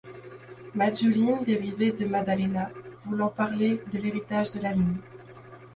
Majdouline dérivé de Madalena, voulant parler de l'héritage de la lune.